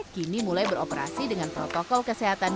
kini mulai beroperasi dengan protokol kesehatan